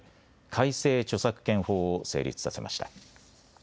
改正著作権法を成立させました。